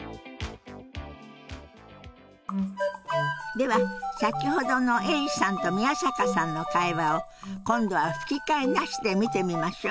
では先ほどのエリさんと宮坂さんの会話を今度は吹き替えなしで見てみましょう。